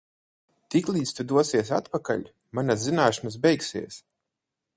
Tiklīdz tu dosies atpakaļ, manas zināšanas beigsies.